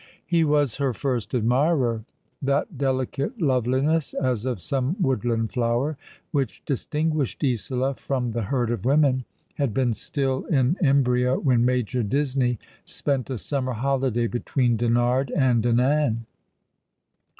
He was her first admirer. That delicate loveliness, as of some woodland flower, which distinguished Isola from the herd of women, had been still in embryo when Major Disney spent a summer holiday between Dinard and Dinan.